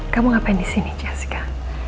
kamu ngapain di sini jeska